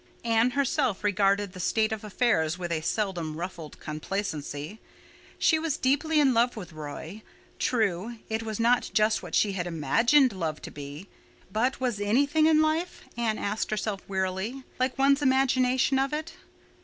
Anne herself regarded the state of affairs with a seldom ruffled complacency. She was deeply in love with Roy. True, it was not just what she had imagined love to be. But was anything in life, Anne asked herself wearily, like one's imagination of it?